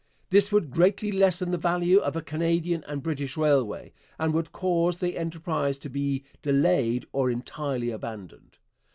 This would greatly lessen the value of a Canadian and British railway, and would cause the enterprise to 'be delayed or entirely abandoned.'